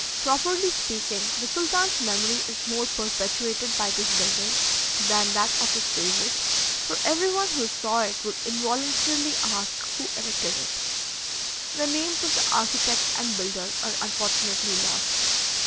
Properly speaking, the sultan's memory is more perpetuated by this building than that of his favourite, for every one who saw it would involuntarily ask who erected it. The names of the architect and builder are unfortunately lost.